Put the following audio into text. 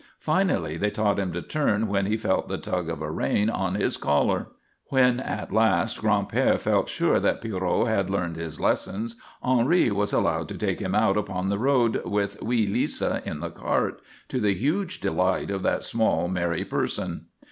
Finally they taught him to turn when he felt the tug of a rein on his collar. When at last Gran'père felt sure that Pierrot had learned his lessons, Henri was allowed to take him out upon the road with wee Lisa in the cart, to the huge delight of that small, merry person.